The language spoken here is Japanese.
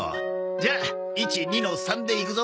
じゃあ１２の３でいくぞ。